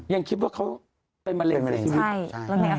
ยังคิดว่าเขาเป็นมะเร็งในชีวิต